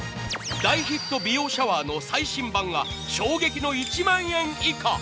大ヒット美容シャワーの最新版が衝撃の１万円以下。